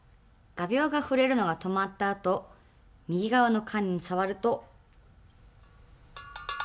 画びょうが振れるのが止まったあと右側の缶に触ると。